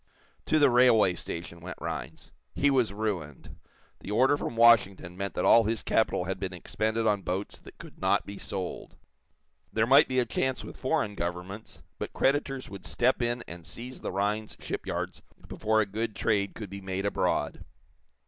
To the railway station went Rhinds. He was ruined. The order from Washington meant that all his capital had been expended on boats that could not be sold. There might be a chance with foreign governments, but creditors would step in and seize the Rhinds shipyards before a good trade could be made abroad.